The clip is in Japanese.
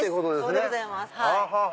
そうでございます。